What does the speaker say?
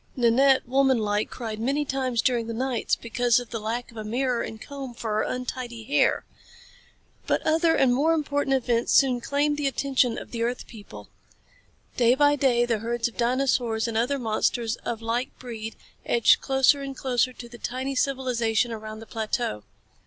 Nanette, womanlike, cried many times during the nights because of the lack of a mirror and a comb for her untidy hair. But other and more important events soon claimed the attention of the earth people. Day by day the herds of dinosaurs and other monsters of like breed edged closer and closer to the tiny civilization around the plateau.